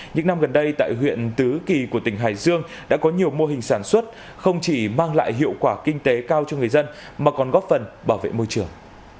những năm gần đây tại huyện tứ kỳ của tỉnh hải dương đã có nhiều mô hình sản xuất không chỉ mang lại hiệu quả kinh tế cao cho người dân mà còn góp phần bảo vệ môi trường